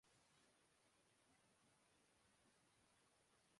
یہ آسان آپریشن نہ تھا۔